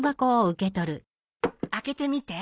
開けてみて。